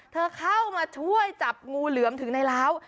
เข้ามาช่วยจับงูเหลือมถึงในร้าว